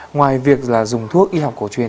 ngoài việc là dùng thuốc y học cổ truyền